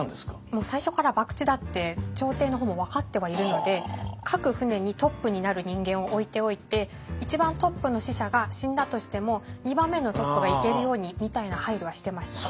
もう最初から博打だって朝廷の方も分かってはいるので各船にトップになる人間を置いておいて一番トップの使者が死んだとしても２番目のトップが行けるようにみたいな配慮はしてました。